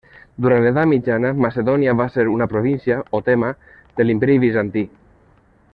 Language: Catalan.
Durant l'edat mitjana, Macedònia va ser una província o tema de l'imperi Bizantí.